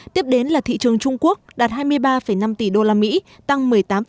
tiếp đến là thị trường trung quốc đạt hai mươi ba năm tỷ usd tăng một mươi tám